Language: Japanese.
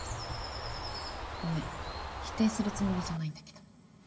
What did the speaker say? ごめん否定するつもりじゃないんだけど。